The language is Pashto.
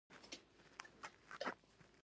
له ساحل څخه نور هم لیري شوو چې ماهي ومومو.